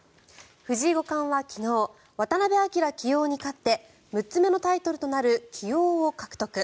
藤井五冠は昨日渡辺明棋王に勝って６つ目のタイトルとなる棋王を獲得。